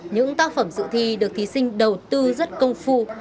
những tác phẩm dự thi được thí sinh đầu tư rất công phu